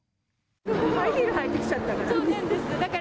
ハイヒール履いてきちゃったから。